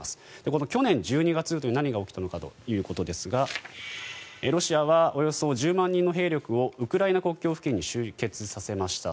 この去年１２月というと何が起きたのかということですがロシアはおよそ１０万人の兵力をウクライナ国境付近に集結させました。